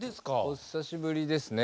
お久しぶりですね。